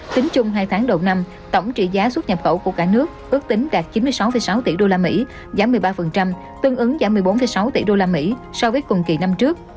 tính chung hai tháng đầu năm tổng trị giá xuất nhập khẩu của cả nước ước tính đạt chín mươi sáu sáu tỷ usd giảm một mươi ba tương ứng giảm một mươi bốn sáu tỷ usd so với cùng kỳ năm trước